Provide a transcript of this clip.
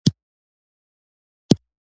کریمي صیب کورته ورسېدلو.